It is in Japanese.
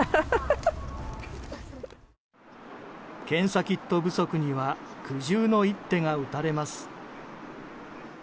検査キット不足には苦渋の一手が打たれます。